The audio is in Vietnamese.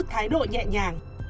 thái độ nhẹ nhàng